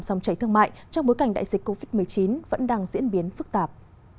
dòng cháy thương mại trong bối cảnh đại dịch covid một mươi chín vẫn đang diễn biến phức tạp